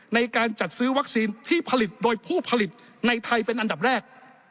ในการจัดซื้อวัคซีนที่ผลิตโดยผู้ผลิตในไทยเป็นอันดับแรก